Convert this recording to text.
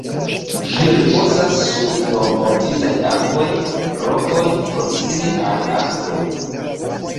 Ĝi ripozas sur formortintaj arboj, rokoj, proksime al akvoj.